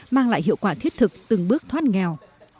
mang lại hiệu quả thiết thực từng bước thoát nghèo